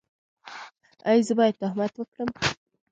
ایا زه باید تهمت وکړم؟